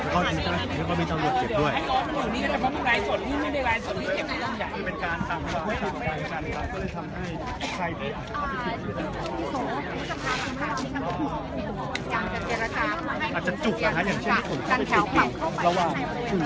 ก็ไม่มีใครกลับมาเมื่อเวลาอาทิตย์เกิดขึ้น